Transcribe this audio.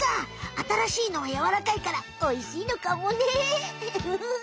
新しいのはやわらかいからおいしいのかもね。